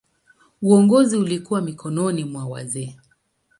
Uongozi ulikuwa mikononi mwa wazee.